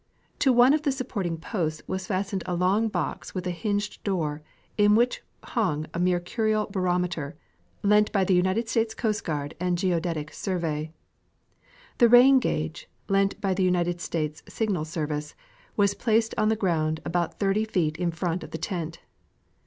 To one of the supporting posts was fastened a long box with a hinged door in which hung a mercurial barometer (lent by the United States Coast and Geodetic Survey). The rain gauge (lent by the United States Signal Service) was placed on the ground about 30 feet in front of the tent.